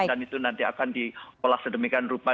dan itu nanti akan diolah sedemikian rupa